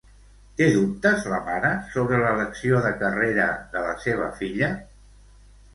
Té dubtes la mare sobre l'elecció de carrera de la seva filla?